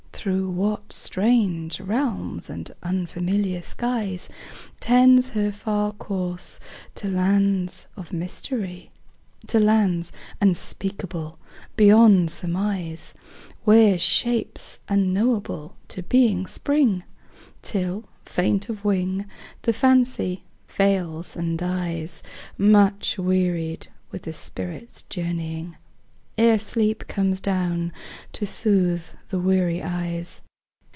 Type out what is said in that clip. Through what strange realms and unfamiliar skies. Tends her far course to lands of mystery? To lands unspeakable beyond surmise, Where shapes unknowable to being spring, Till, faint of wing, the Fancy fails and dies Much wearied with the spirit's journeying, Ere sleep comes down to soothe the weary eyes.